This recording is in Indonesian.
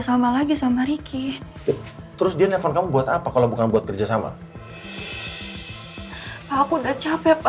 sama lagi sama riki terus dia nelfon kamu buat apa kalau bukan buat kerjasama aku udah capek